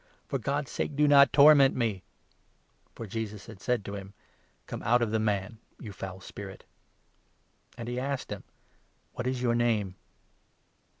For God's sake do not torment me !" For Jesus had said : 8 " Come out from the man, you foul spirit." 9 And he asked him :" What is your name